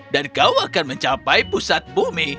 dan kau akan mencapai pusat bumi